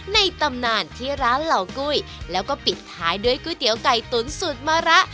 ตำนานที่ร้านเหล่ากุ้ยแล้วก็ปิดท้ายด้วยก๋วยเตี๋ยวไก่ตุ๋นสูตรมะระ